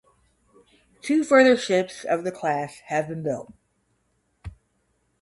Two further ships of the class have been built.